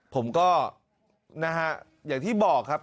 ผมก็นะฮะอย่างที่บอกครับ